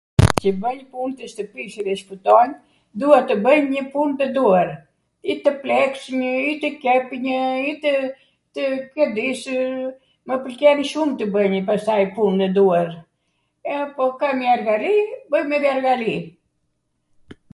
Cw bwj punt e shtwpis edhe shpwtonj, dua tw bwnj njw pun ndw duar, i tw pleks njw, i tw qep njw, i tw qwndisw, mw pwlqen shum tw bwj pastaj pun nw duar. E, po kemi angari, bwjm edhe angari.